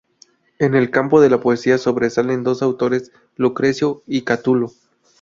En el campo de la poesía, sobresalen dos autores: Lucrecio y Catulo.